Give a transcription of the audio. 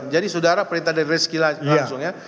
jadi saudara permintaan dari reski langsung ya